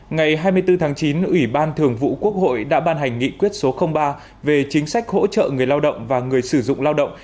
ngày hai mươi bốn tháng chín ủy ban thường vụ quốc hội đã ban hành nghị quyết số ba về chính sách hỗ trợ người lao động và người sử dụng lao động